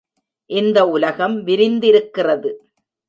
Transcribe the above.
இந்த உலகம் விரிந்திருக்கிறது.